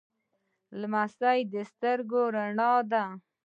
لمسی د سترګو رڼا ده.